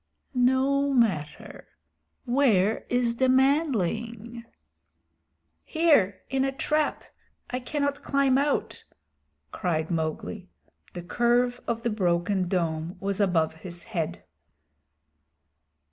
"No matter. Where is the manling?" "Here, in a trap. I cannot climb out," cried Mowgli. The curve of the broken dome was above his head.